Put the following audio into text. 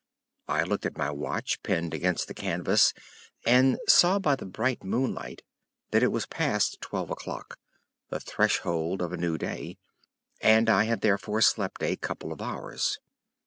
I looked at my watch pinned against the canvas, and saw by the bright moonlight that it was past twelve o'clock—the threshold of a new day—and I had therefore slept a couple of hours.